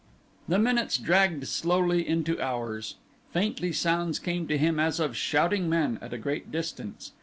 The minutes dragged slowly into hours. Faintly sounds came to him as of shouting men at a great distance.